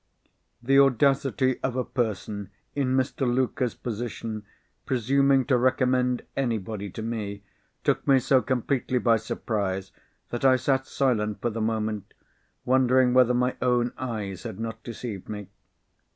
The audacity of a person in Mr. Luker's position presuming to recommend anybody to me, took me so completely by surprise, that I sat silent for the moment, wondering whether my own eyes had not deceived me.